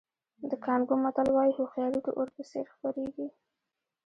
د کانګو متل وایي هوښیاري د اور په څېر خپرېږي.